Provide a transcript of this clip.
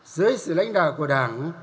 dưới sự lãnh đạo của đảng